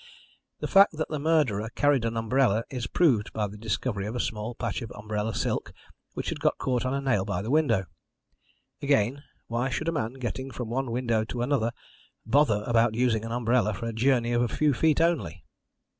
The fact that the murderer carried an umbrella is proved by the discovery of a small patch of umbrella silk which had got caught on a nail by the window. Again, why should a man, getting from one window to another, bother about using an umbrella for a journey of a few feet only?